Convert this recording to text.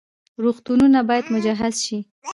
روغتونونه باید مجهز شي